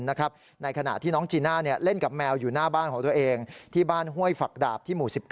ในขณะที่น้องจีน่าเล่นกับแมวอยู่หน้าบ้านของตัวเองที่บ้านห้วยฝักดาบที่หมู่๑๙